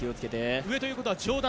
上ということは上段。